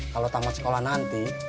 kalau tamat sekolah nanti